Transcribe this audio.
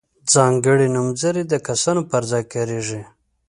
ځانګړي نومځري د کسانو پر ځای کاریږي.